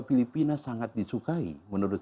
filipina sangat disukai menurut